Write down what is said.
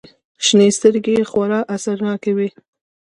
شنې سترگې يې خورا اثرناکې وې.